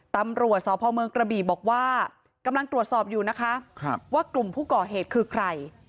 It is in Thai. ตำรวจสพเมืองกระบี่บอกว่ากำลังตรวจสอบอยู่นะคะว่ากลุ่มผู้ก่อเหตุคือใคร